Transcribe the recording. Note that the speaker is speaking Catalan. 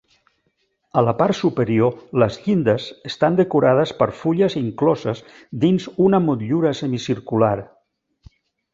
A la part superior les llindes estan decorades per fulles incloses dins una motllura semicircular.